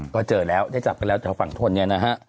ก็เจอแล้วได้จับกันแล้วแถวฝั่งทนเนี่ยนะฮะ